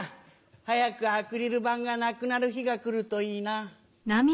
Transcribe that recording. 早くアクリル板がなくなる日が来るといいな。